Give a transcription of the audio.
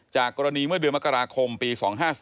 จากกรณีเมื่อเดือนมกราคมปี๒๕๔